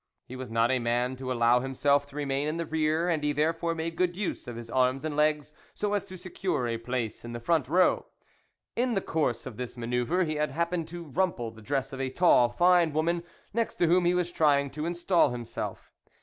He was not a man to allow himself to remain in the rear, and he therefore made good use of his arms and legs so as to secure a place in the front row. In the course of this manoeuvre he happened to rumple the dress of a tall, fine woman, next to whom he was trying to instal himself.